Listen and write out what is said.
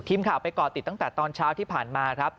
ทีมข่าวไปก่อติดตั้งแต่ตอนเช้าที่ผ่านมาครับ